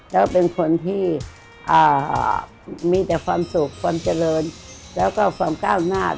แล้วเป็นคนที่มีแต่ความสุขความเจริญแล้วก็ความก้าวหน้า